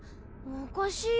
おかしいよ。